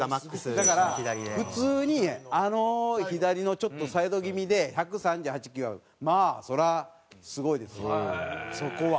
だから普通にあの左のちょっとサイド気味で１３８１３９はまあそれはすごいですよそこは。